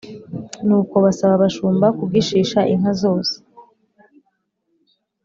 Nuko basaba abashumba kugishisha inka zose